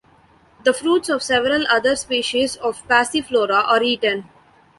The fruits of several other species of Passiflora are eaten.